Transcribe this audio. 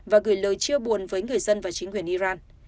và gửi lời chia buồn với người dân và chính quyền iran